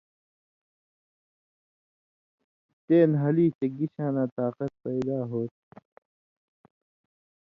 تے نھالی چے گی شاناں طاقت پیدا ہوتھی۔